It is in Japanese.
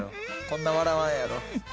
こんな笑わんやろ。